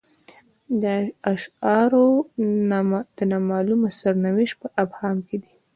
دا شعارونه د نا معلوم سرنوشت په ابهام کې دي.